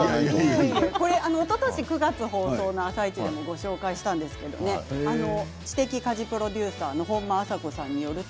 これは、おととし９月放送の「あさイチ」でもご紹介したんですけれども知的家事プロデューサーの本間朝子さんによると